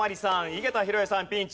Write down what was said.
井桁弘恵さんピンチ。